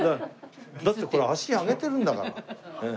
だってほら足上げてるんだから。